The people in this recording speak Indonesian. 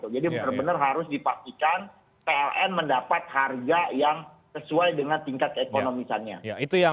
jadi benar benar harus dipastikan tln mendapat harga yang sesuai dengan tingkat ekonomisanya